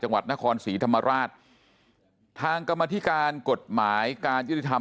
จังหวัดนครศรีธรรมราชทางกรรมธิการกฎหมายการยุติธรรม